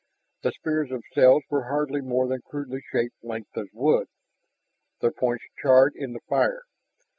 The spears themselves were hardly more than crudely shaped lengths of wood, their points charred in the fire.